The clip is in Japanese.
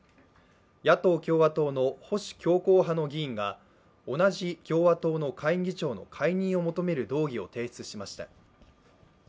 野党・共和党の保守強硬派の議員が同じ共和党の下院議長の解任を求める動議を提出しました。